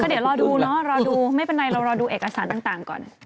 เดี๋ยวรอดูเนอะรอดูไม่เป็นไรเรารอดูเอกสารต่างก่อน